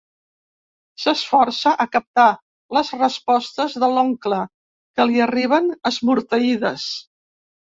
S'esforça a captar les respostes de l'oncle, que li arriben esmorteïdes.